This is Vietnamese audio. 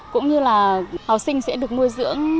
cũng như là học sinh sẽ được nuôi dưỡng